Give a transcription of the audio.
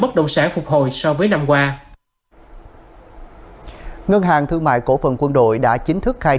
bất động sản phục hồi so với năm qua ngân hàng thương mại cổ phần quân đội đã chính thức khai